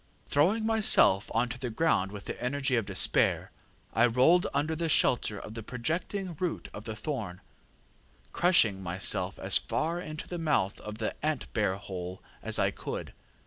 ŌĆ£Throwing myself on to the ground with the energy of despair, I rolled under the shelter of the projecting root of the thorn, crushing myself as far into the mouth of the ant bear hole as I could.